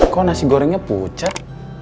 kok nasi gorengnya pucat